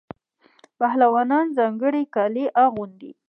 پهلوانان ځانګړي کالي اغوندي.